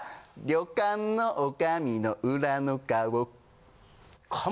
旅館の女将の裏の顔。